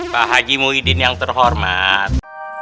pak haji muhyiddin yang terhormat